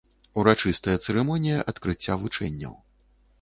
Урачыстая цырымонія адкрыцця вучэнняў.